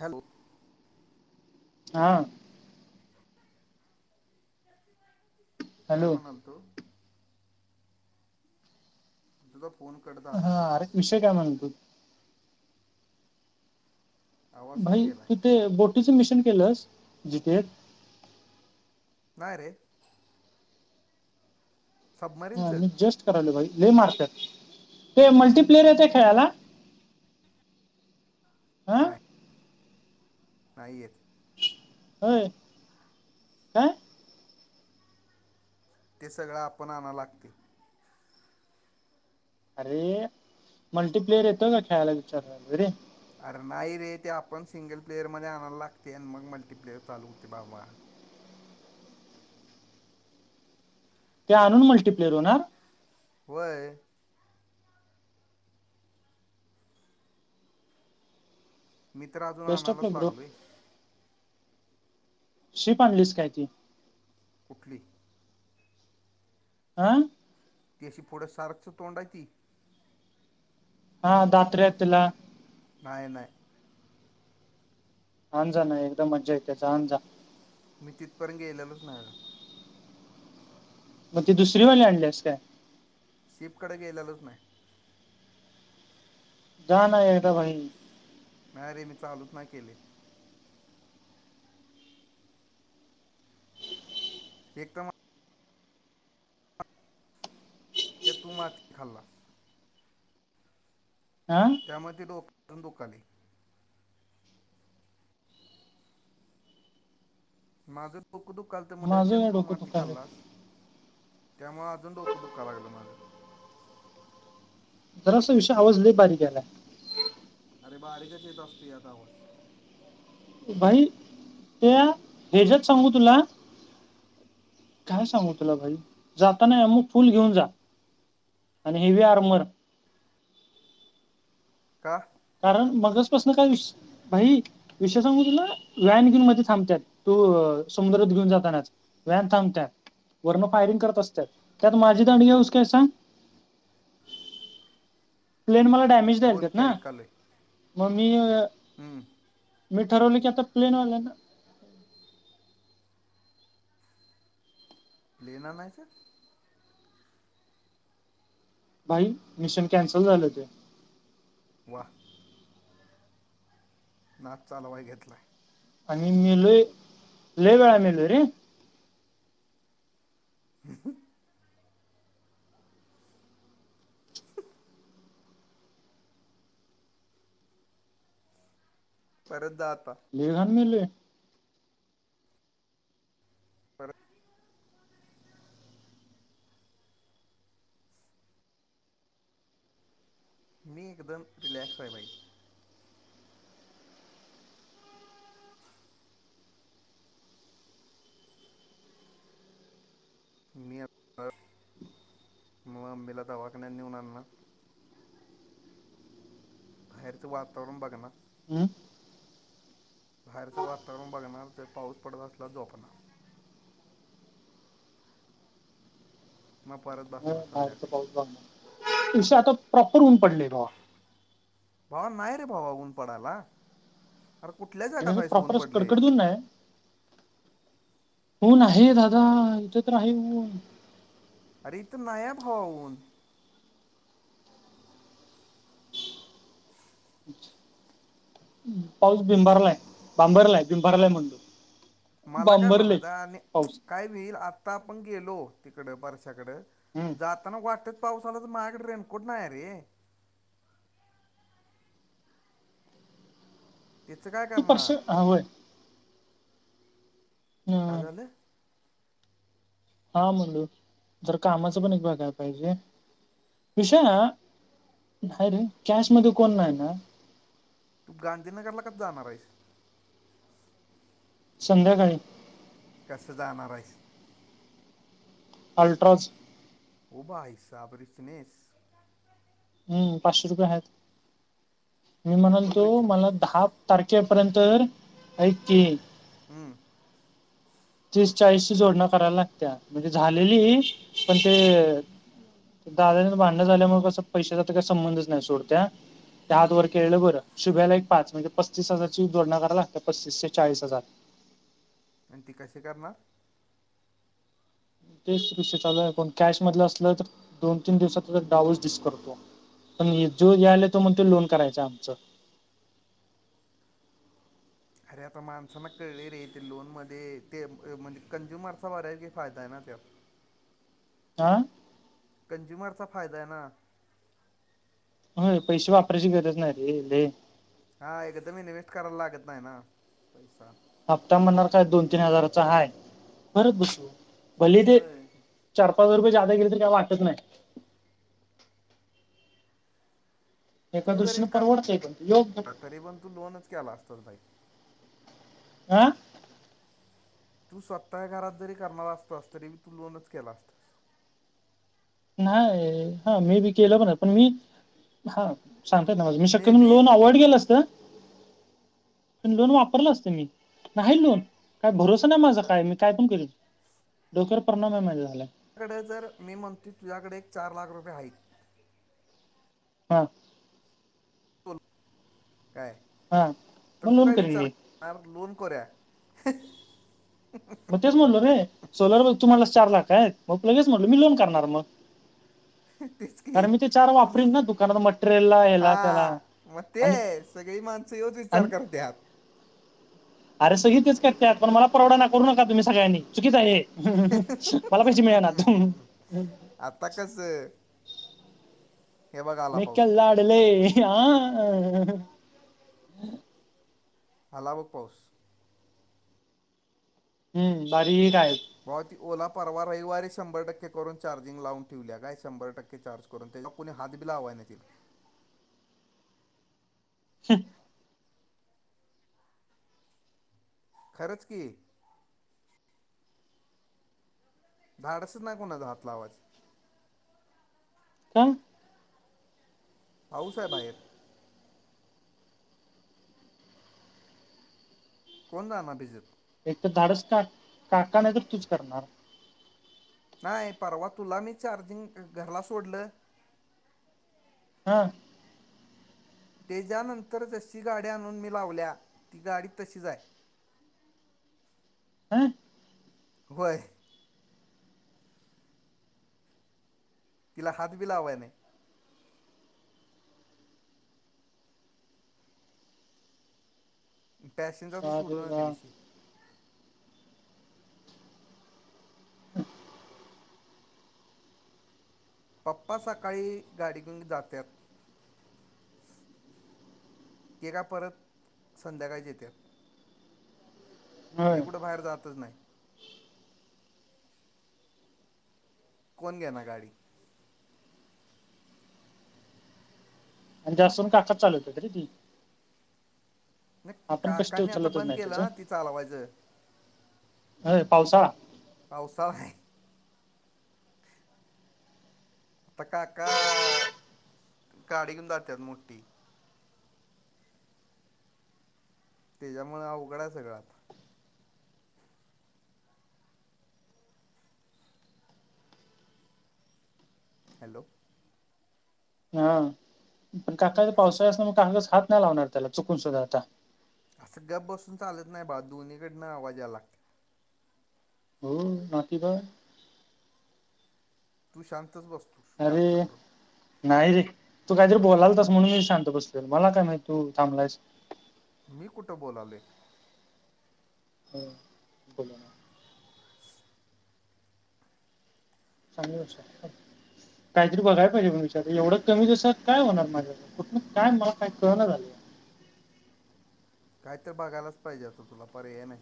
Hello हां काय hello म्हणाल तो तुझा फोन कट झाला हा मधीच. [unintelligible] आवाज पण भाई गेलाय तिथे बोटीचं मिशन केलस जिथे नाय रे हा सबमरीनचं मी जस्ट करायलो भाई लय मारत्यात ते मल्टीप्लेयर येतय खेळायला. हा नाय. नाही येत. होय काय. ते सगळ आपण आणाय लागतय अरे मल्टीप्लेयर येतो का खेळायला विचारत होतो रे. अर नाही रे ते आपण सिंगल प्लेयरमध्ये आणायला लागते आणि मग मल्टीप्लेयर चालू होते बाबा. ते आणून मल्टीप्लेअर होणार? व्हय. मी तर अजून बेस्ट ऑफ आणायलाच लक ब्रो लागलोय. शीप आणलीस काय ती? कुठली? आं ती अशी पुढ सारखच तोंड हाय ती? हा दात्र्या आहेत तिला. नाय नाय. आन जा ना एकदम मजा येते आन जा. मी तिथपर्यंत गेलेलोच नाही अजून. मग ती दुसरी वाली आणलियेस काय? शीप कडे गेलेलोच नाही. जाण एकदा भाई. नाही रे मी चालूच नाही केली. एकदम ते तू मा [unintelligible] खाल्लास अं त्यामध्ये डोक पण दुखायलय. माझ डोक दुःखालत म्हणल माझं त्यात काय तू डोकं माती दुखायलंय खाल्लास. त्यामुळे अजून डोक दुखायला लागल माझ. जरा विषू आवाज लय बारीक यायला लागला. अरे बारीकच येत असतोय आता आवाज. भाई त्या हेच्यात सांगू तुला. काय सांगू तुला भाई जाताना मग अमुक फुल घेऊन जा. आणि हेवी आर्मर का? कारण मगाच पासन काय विषय भाई विषय सांगू तुला [unintelligible] घेऊन मध्ये थांबतात तू समुद्रात घेऊन जाताना. व्हॅन थांबत्यात वरन फायरिंग करत असतात त्यात माझी दांडगी हाऊस काय सांग. प्लेन मला डॅमेज बोल द्यायचेत की ना ऐकालोय मग मी हम्म मी ठरवले की आता प्लेनवाले ना लेन आणायचे. भाई मिशन कॅन्सल झालं ते. वा. नाच चालवाय घेतलाय. आणि लय लय वेळा मेलोय रे. [inaudible] परत जा आता. मिळणार [unintelligible] परत मी एकदम रिलॅक्सय भाई. मी आत्ता मम्मीला दवाखान्यात नेऊन आणणार. बाहेरच वातावरण बघणार. हम्म. बाहेरचं वातावरण बघणार. जर पाऊस पडत असला तर झोपणार. मग परत बसणार बाहेरचा संध्याकाळी पाऊस बघणार. विषय प्रॉपर ऊन पडलय भावा. भावा नाही रे भावा ऊन पडायला. अरे कुठल्या म्हणजे जगात असं आहेस ऊन प्रॉपर असं पडलेय? कडकडत ऊन नाही ऊन आहे दादा. इथे तर आहे ऊन. अरे इथे नाहीये भावा ऊन? पाऊस भिंबारलाय. बांबरलाय भिंबारलाय म्हणलो. मला काय म्हणायच आणि पाऊस काय होईल आता आपण गेलो तिकडं बरशाकड हम्म जात मला वाटेत पाऊस आला तर मायाकड रेनकोट नाये रे? त्याच काय तू परश करणार? हा होय काय हं, झाल? हा म्हणलो. जरा कामाच पण एक बघाया पाहिजे? विशा हा. काय रे कॅश मध्ये कोण नाय ना? तू गांधीनगरला कधी जाणारेस? संध्याकाळी. कसं जाणार आहेस? अल्ट्राज ओ भाईसाब रिचनेस. हम्म पाचशे रुपये आहेत. मी म्हणाल फुल तो रिचनेस मला दहा तारखेपर्यंत तर ऐक की ह्म्म. तीस चाळीस ची जोडन्या करायला लागतीया म्हणजे झालेली पण ते दादाच भांडण झाल्यामुळे कसं पैशाचा तर काही संबंधच नाही सोडत त्या. त्या हात वर केळलं बरं.. शुभ्याला एक पाच म्हणजे पस्तीस हजारची जोडन्या कराला लागत्यात. म्हणजे पस्तीस ते चाळीस हजार. अन ती कशी करणार? तेच विषय चालला पण कॅश मधलं असलं तर.. दोन तीन दिवसातचा [unintelligible] दिस करतो. पण जो आल तो म्हणतो लोन करायच आमच. अरे आता माणसांना कळले रे ते लोनमध्ये ते म्हणजे कंझ्युमरचा बऱ्या पैकी फायदाये ना त्यात? आ.. कंझ्युमरचा फायदाय ना? होय पैसे वापरायची गरज नाहीरे ले? हा एकदम इन्वे्स्ट करायला लागत नाही ना? पैसा. हप्ता म्हणणार काय दोन तीन हजाराचा हाय. भरत बसू. भले ते होय चार पाच हजार रुपये ज्यादा गेले तरी काय वाटत नाय? एका तू जरी दृष्टीने का परवडतय पण योग्य तरी पण तू लोनच केला असतास भाई? आ.. तू स्वतः घरात जरी करणार असतास तरी मी तू लोनच केला असता. नाही हा मी बी केल बर पण मी हा सांगता येत नाही माझ मी मे शक्यतो बी लोन अवॉइड केल असत. लोन वापरल असत मी नाही लोन काय भरोसा नाही माझा काय मी काय पण करील. [inaudible] डोक्यावर परिणाम आहे माझ्या झाला. तुझ्याकडे जर मी म्हणतो तुझ्याकडे एक चार लाख रुपये आहेत. हां बोल काय हा तर मग तू लोन काय करीन विचार मी आर लोन करूया. मग तेच म्हणलो रे. सोलर तुम्हाला चार लाख आहेत. मग लगेच म्हणलो मी लोन करणार मग. [inaudible] तेच की कारण मी ते चार तुला वापरीन ना दुकानात मटेरियलला ह्याला त्याला हा मग आणि तेच सगळी माणस ह्योच विचार करतात. अर सगळी तेच करत्यात पण मला परवडना करू नका तुम्ही सगळ्यांनी चुकीच आहे हे. ह मला पैसे मिळणात. आता कसं हे बघ आला पाऊस मेिकल लाडलय हं आला बघ पाऊस. हम्म बारीक आहे. भावा ती ओला परवा रविवारी शंभर टक्के करून चार्जिंग लावून ठेवल्या काय शंभर टक्के चार्ज. करून त्याच्या कोणी हात बी लावाय नाही त्यांनी. [inaudible] खरच की. धाडसच नाय कुणाच हात लावायच. का? पाऊस आहे बाहेर. कोण जाणार त्या जात. एक तर धाडस का काका नाही तर तूच करणार. नाही परवा तुला मी चार्जिंग घरला सोडलं. हां त्याच्यानंतर जशी गाडी आणून मी लावल्या ती गाडी तशीच आहे. हां होय तिला हात बी लावाय नाही. पॅशनचा अरे सोडूनच दे वा विषय [inaudible] पप्पा सकाळी गाडी घेऊून जातात. ते काय परत संध्याकाळीच येतात. [inaudible] मी कुठं बाहेर जातच नाही. कोण घेणार गाडी. आणि जास्तूंन कातं चालवते तरी ती नाहीं आपण कष्ट काकांनी आंता उचलतच बंद नाही केलं त्याचं नां तिअ चालवायचं अं पावसा पावसांळा आहे आंता काका गांडी घेऊन जातांत मोठी त्यांच्यामुळे हे उवघडचं आहे सगळं आंता हॅलो हं पणं काका पावसाळ्यांत असं मंग काकांचं हात नाहीं लावणारं त्यांला चुकून सुद्धां आंता असं गप बसूंन चालतं नाहीं बां दोन्हीकडनं आवांज यां लागते हो बाकी बघं तूं शांतच बसं अरे नाहीं रे तूं कांहीतरी बोलांल तसं म्हणूंन मी शांत बसले मलां कायं माहिती नाहीं तूं थांबलायस मी कुठं बोलावलंय हं बोलं नां [unintelligible] चांग कांहीतरी बघायंला पाहिजे मं विचार एवढं कमी तसांत कायं होणारं माझ्या कां कायं मलां कायं कळणां झालं कांहीतरी बघायलाचं पाहिजे तो तुंला पर्याय नाही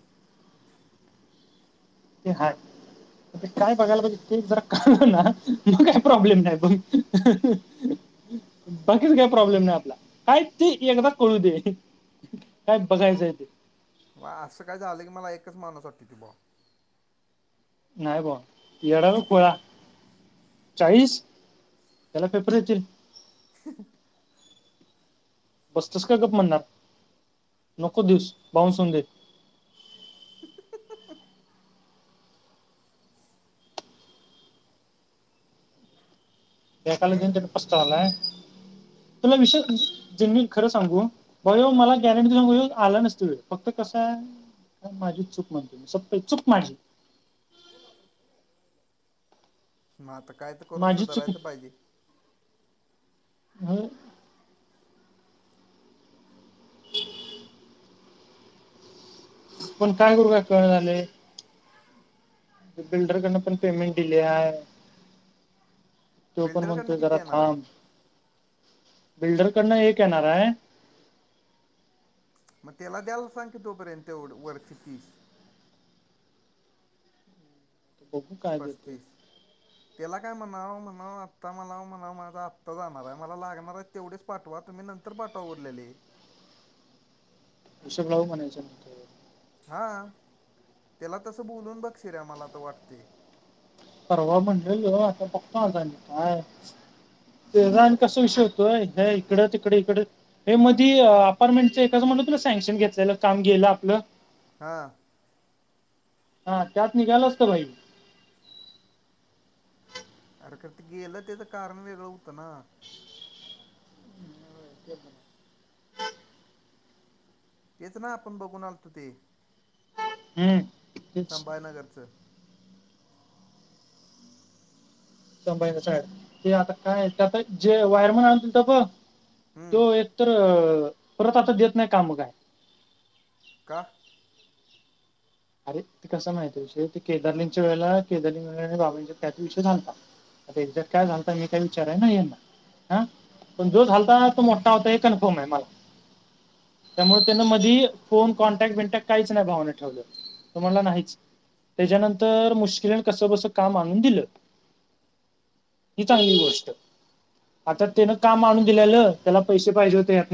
ते हात कायं बघायलां पाहिजे ते जरां कळलं नां मंग कांहीं प्रॉब्लेम नाहीं बघं बाकीच कांहीं प्रॉब्लेम नाहीं आपलां कायं ते एकदाचं कळूं दे कायं बघायचंय ते वां असं कायं झालं की मलां एकचं माणूंस आठवते बा नाहीं भावा येडां कां खुंळा चाळीस त्यांला पेपर येतील हं बसतोस कायं गंप म्हणणांर नको दिवसं बाऊनसूंन दे हं हं एकांला हे दोन पस्तांवा आलांय तुम्हीं विसरलं कसं सांगू होयं ओ मलां गॅरंटी संग आंला नसतं व फक्तं कसं आहे माझी चूंक मांफ केली संपत चूंक मांफ केली मंग आंता कायं तरं करूंन माझी चूक सुधारायचं पाहिजे हं हम्मं पणं कायं करूं कायं कळंना झाले आहे बिल्डरकडून पणं पेमेंट दिली आहे तो पणं बिल्डरकडनं म्हणतो किती जरां येणार आहेत थांब बिल्डरकडनं एक येणारं आहे मंग त्यांला द्यायला सांग की तोपर्यंत तेवढं वरचे पीस तो बघू काय देतो पस्तीस त्यांला कायं म्हणां म्हणां आंत्ता मलां म्हणां माझां आंत्ता हप्ता जाणारं आहे मलां लागणारं आहे तेवढेच पाठवा तुम्हीं नंतर नंतर पाठवा उरलेली हिशोब लांव म्हणायचं हां त्यांला तसं बोलूंन बघं शिऱ्या मलां तरं वाटते परवा म्हणलेलो आता बघतो आज आणि. काय? तेज आणि कस विषय होतो हे इकड तिकड इकड हे मधी अपार्टमेंटचं एकाचं म्हटलं तु सँक्शन घेतलेलं काम गेलं आपलं. हां. हा त्यात निघाल असत भाई. अरे खर ते गेलं तेज कारण वेगळं होतं ना? [unintelligible] तेच ना आपण बघून आलतो ते हम्म तेच संभाजी नगरचं - - संभाजी साईड च ते आता काय ते आता जे वायरमन आणून दीलता बघ हम्म त्यो तर परत आता देत नाही काम काय - - का? अरे ते कस माहती आहे विषय ते केदारलिंगच्या वेळेला केदार लिंगवेळी बाबांंच्यात काय तर विषय झालता. आता एक्झॅक्ट काय झालता हे काय विचारय नाही ह्यांना. हा पण जो झालता तो मोठा होता हे कन्फर्म आहे मला त्यामुळ ते ने मधी फोन कॉन्टॅक्ट बीनटॅक्ट काहीच नाही भावना ठेवल्या. तो म्हणाला नाहीच तेज्यानंतर मुश्किलीन कसं बसं काम आणून दिलं. ही चांगली गोष्ट. आता तेन काम आणून दिल्यालं त्याला पैशे पाहिजे होते ह्यातनं.